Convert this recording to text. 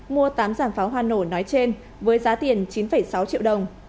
mua tám giàn pháo hoa nổ nói trên với giá tiền chín sáu triệu đồng